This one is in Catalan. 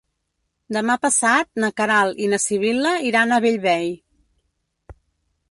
Demà passat na Queralt i na Sibil·la iran a Bellvei.